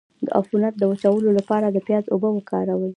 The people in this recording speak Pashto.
د عفونت د وچولو لپاره د پیاز اوبه وکاروئ